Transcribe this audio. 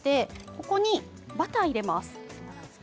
ここにバターを入れます。